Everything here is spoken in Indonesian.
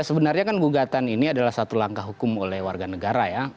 sebenarnya kan gugatan ini adalah satu langkah hukum oleh warga negara ya